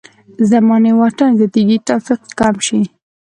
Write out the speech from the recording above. زماني واټن زیاتېږي توفیق کم شي.